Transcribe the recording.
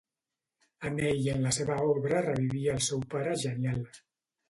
En ell i en la seva obra revivia el seu pare genial.